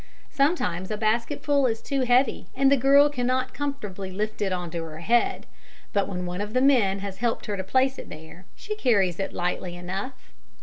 Sometimes a basketful is too heavy and the girl cannot comfortably lift it on to her head, but when one of the men has helped her to place it there, she carries it lightly enough.